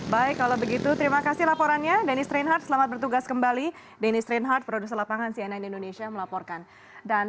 baik kalau begitu terima kasih laporannya dennis reinhard selamat bertugas kembali dennis reinhardt produser lapangan cnn indonesia melaporkan